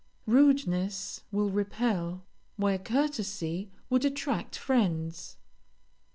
Rudeness will repel, where courtesy would attract friends.